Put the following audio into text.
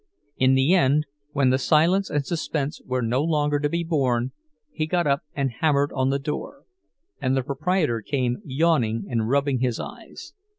In the end, when the silence and suspense were no longer to be borne, he got up and hammered on the door; and the proprietor came, yawning and rubbing his eyes.